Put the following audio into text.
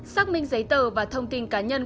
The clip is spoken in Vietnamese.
xác minh giấy tờ và thông tin cá nhân